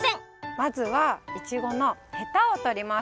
まずはイチゴのヘタをとります！